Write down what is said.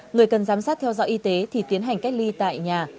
người cần giám sát theo dõi y tế thì tiến hành cách ly tại nhà